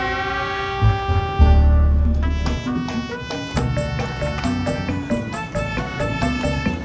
jalan jalan men